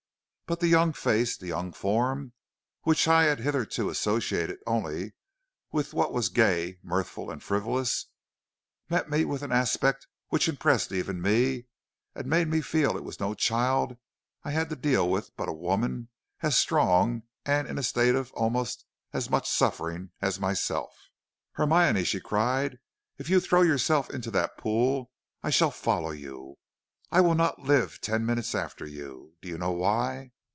"But the young face, the young form which I had hitherto associated only with what was gay, mirthful, and frivolous, met me with an aspect which impressed even me and made me feel it was no child I had to deal with but a woman as strong and in a state of almost as much suffering as myself. "'Hermione,' she cried, 'if you throw yourself into that pool, I shall follow you. I will not live ten minutes after you. Do you know why?